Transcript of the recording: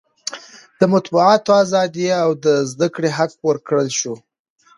د مطبوعاتو ازادي او د زده کړې حق ورکړل شو.